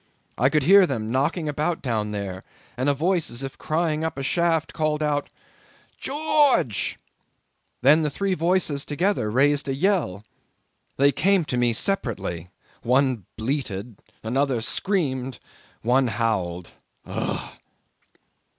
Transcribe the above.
I could hear them knocking about down there, and a voice as if crying up a shaft called out 'George!' Then three voices together raised a yell. They came to me separately: one bleated, another screamed, one howled. Ough!"